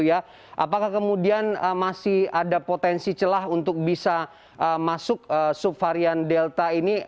apakah kemudian masih ada potensi celah untuk bisa masuk subvarian delta ini